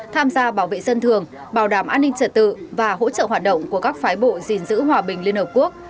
tham gia bảo vệ dân thường bảo đảm an ninh trật tự và hỗ trợ hoạt động của các phái bộ gìn giữ hòa bình liên hợp quốc